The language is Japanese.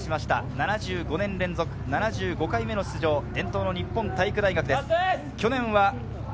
１３番目は７５年連続７５回目の出場、伝統の日本体育大学です。